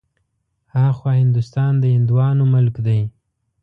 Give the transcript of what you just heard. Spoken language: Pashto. ها خوا هندوستان د هندوانو ملک دی.